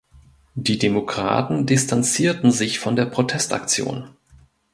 Die Demokraten distanzierten sich von der Protestaktion.